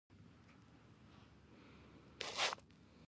ننګرهار د افغانستان طبعي ثروت دی.